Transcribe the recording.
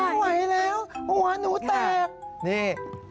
ผมก็ไม่เอาไหวแล้วหัวหนูแตก